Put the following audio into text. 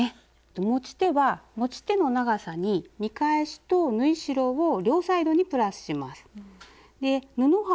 持ち手は持ち手の長さに見返しと縫い代を両サイドにプラスします。